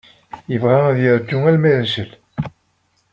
Yebɣa ad yeṛju arma yercel.